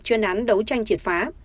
chương án đấu tranh triệt phá